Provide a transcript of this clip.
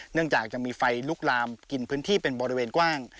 จากจะมีไฟลุกลามกินพื้นที่เป็นบริเวณกว้าง